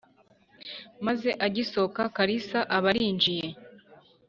maze agisohoka kalisa aba arinjiye